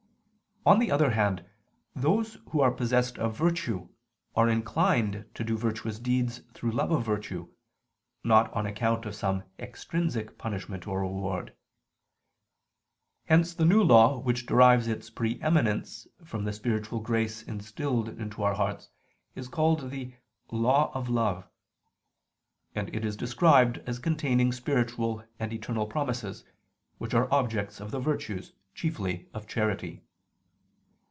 On the other hand, those who are possessed of virtue, are inclined to do virtuous deeds through love of virtue, not on account of some extrinsic punishment or reward. Hence the New Law which derives its pre eminence from the spiritual grace instilled into our hearts, is called the "Law of love": and it is described as containing spiritual and eternal promises, which are objects of the virtues, chiefly of charity.